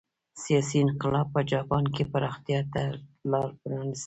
سیاسي انقلاب په جاپان کې پراختیا ته لار پرانېسته.